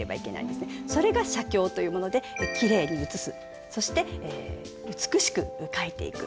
それが写経というものできれいに写すそして美しく書いていく。